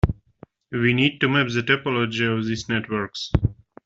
We need to map the topology of these networks.